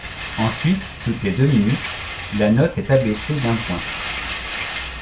Ensuite toutes les deux minutes, la note est abaissé d'un point.